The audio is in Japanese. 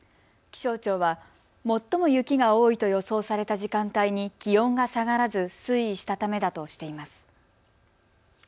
気象庁は最も雪が多いと予想された時間帯に気温が下がらず推移したためだとしています。